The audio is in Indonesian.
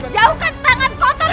jauhkan tangan kotor kalian